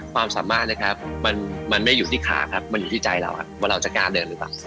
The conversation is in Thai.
ความสามารถนะครับมันไม่อยู่ที่ขาครับมันอยู่ที่ใจเราครับว่าเราจะกล้าเดินหรือเปล่า